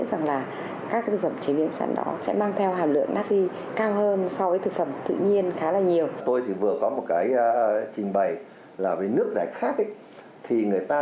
tất cả các thành phần còn lại đều là phụ gia